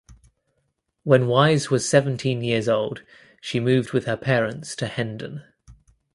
When Wise was seventeen years old she moved with her parents to Hendon.